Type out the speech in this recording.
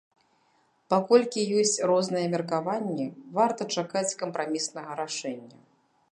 Паколькі ёсць розныя меркаванні, варта чакаць кампраміснага рашэння.